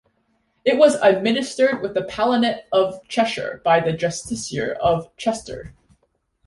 It was administered with the Palatinate of Cheshire by the Justiciar of Chester.